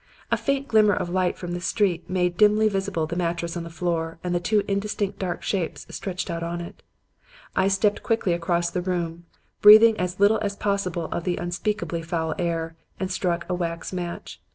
A faint glimmer of light from the street made dimly visible the mattress on the floor and two indistinct dark shapes stretched on it. I stepped quickly across the room, breathing as little as possible of the unspeakably foul air, and struck a wax match.